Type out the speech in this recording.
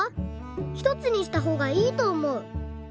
ひとつにしたほうがいいとおもう」。